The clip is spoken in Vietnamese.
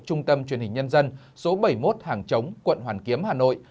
trung tâm truyền hình nhân dân số bảy mươi một hàng chống quận hoàn kiếm hà nội